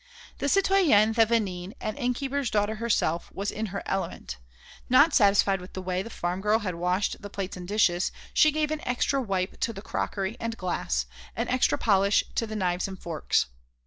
The citoyenne Thévenin, an innkeeper's daughter herself, was in her element; not satisfied with the way the farm girl had washed the plates and dishes, she gave an extra wipe to the crockery and glass, an extra polish to the knives and forks.